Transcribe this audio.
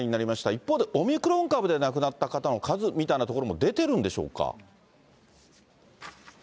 一方で、オミクロン株で亡くなった方の数みたいなところも出てるんでしょうか。